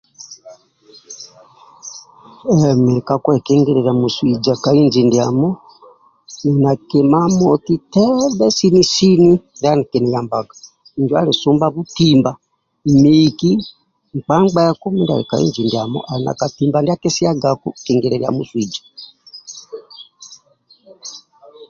Emi nili kakwekigilia muswija kahiji ndiamo nili na kima moti tendhe sini sini ndia ki yabaga njo adi subha butibha nkpa ngheku miki kidiamo ali na katibha ndiaki ndia kisiyagaku kigilia muswija